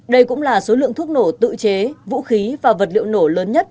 đây cũng là số lượng thuốc nổ tự chế vũ khí và vật liệu nổ lớn nhất